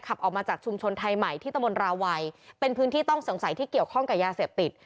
ออกมาจากชุมชนไทยใหม่ที่ตะมนตราวัยเป็นพื้นที่ต้องสงสัยที่เกี่ยวข้องกับยาเสพติด